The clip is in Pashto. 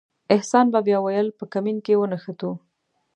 احسان به بیا ویل په کمین کې ونښتو.